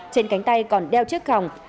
trên cánh tay còn đeo chiếc còng